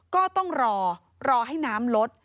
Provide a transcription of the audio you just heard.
ก็ต้องรอรอให้น้ำลด